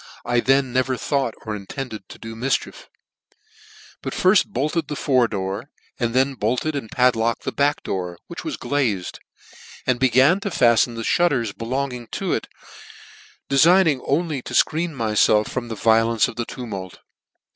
I then never thought or intended to do mifchieG but rirtt bolted the fore door, and then bolted and padlocked the back door* which was glazed, and began to fallen the fhutters belonging to it, de figning only to fcreen myfelf from the violence of the tumult.